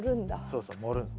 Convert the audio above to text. そうそう盛るの。